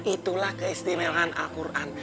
itulah keistimewaan al qur'an